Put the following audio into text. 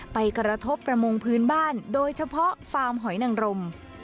ไปกระทบประมงพื้นบ้านโดยเฉพาะฟาร์มหอยนังรม